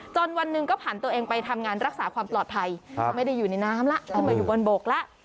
วันหนึ่งก็ผ่านตัวเองไปทำงานรักษาความปลอดภัยไม่ได้อยู่ในน้ำแล้วขึ้นมาอยู่บนโบกแล้ว